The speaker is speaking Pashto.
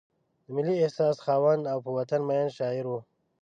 د ملي احساس خاوند او په وطن مین شاعر و.